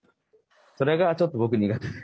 それがちょっと僕苦手で。